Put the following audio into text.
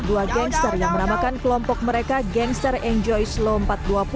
dua gangster yang menamakan kelompok mereka gangster enjoy slow empat ratus dua puluh